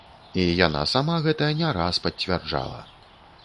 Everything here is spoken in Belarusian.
І яна сама гэта не раз пацвярджала.